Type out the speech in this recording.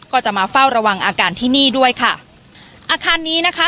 ก็จะมาเฝ้าระวังอาการที่นี่ด้วยค่ะอาคารนี้นะคะ